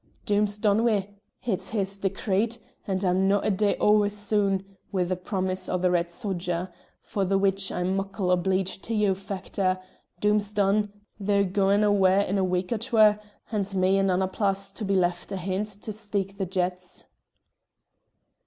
Doom's done wi'; it's his decreet, and I'm no' a day ower soon wi' the promise o' the Red Sodger for the which I'm muckle obleeged to you, Factor. Doom's done; they're gaun awa' in a week or twa, and me and Annapla's to be left ahint to steek the yetts."